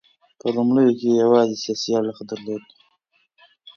په لومړیو کې یې یوازې سیاسي اړخ درلود.